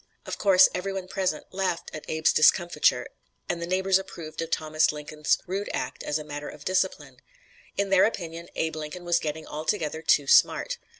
Of course, every one present laughed at Abe's discomfiture, and the neighbors approved of Thomas Lincoln's rude act as a matter of discipline. In their opinion Abe Lincoln was getting altogether too smart.